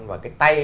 và cái tay